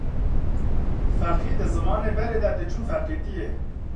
Feqî di zemanê berê de diçûn feqîtiye.